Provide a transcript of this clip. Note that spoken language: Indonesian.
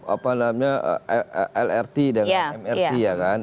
apa namanya lrt dengan mrt ya kan